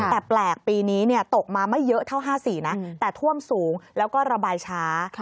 แต่แปลกปีนี้ตกมาไม่เยอะเท่า๕๔นะแต่ท่วมสูงแล้วก็ระบายช้า